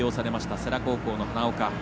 世羅高校の花岡。